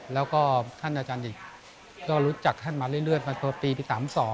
แล้วก็ท่านอาจารย์อีกก็รู้จักท่านมาเรื่อยมาตัวปี๓๒